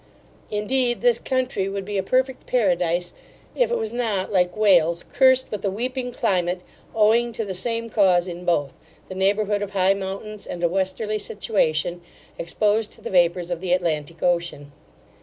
Indeed, this country would be a perfect paradise, if it was not, like Wales, cursed with a weeping climate, owing to the same cause in both, the neighbourhood of high mountains, and a westerly situation, exposed to the vapours of the Atlantic ocean.